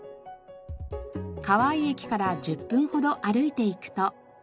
川井駅から１０分ほど歩いて行くと。